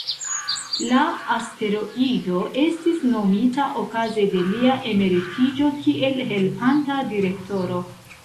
La asteroido estis nomita okaze de lia emeritiĝo kiel helpanta direktoro.